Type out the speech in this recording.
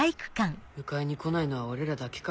迎えに来ないのは俺らだけか。